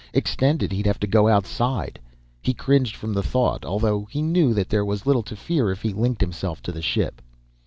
Extended, he'd have to go outside. He cringed from the thought, although he knew that there was little to fear if he linked himself to the ship.